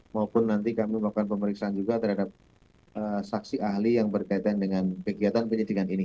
maupun nanti kami melakukan pemeriksaan juga terhadap saksi ahli yang berkaitan dengan kegiatan penyidikan ini